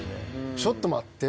ちょっと待って。